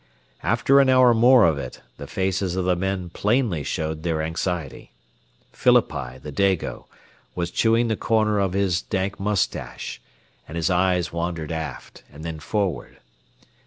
After an hour more of it, the faces of the men plainly showed their anxiety. Phillippi, the Dago, was chewing the corner of his dank mustache, and his eyes wandered aft and then forward.